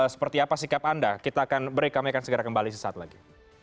seperti apa sikap anda kita akan break kami akan segera kembali sesaat lagi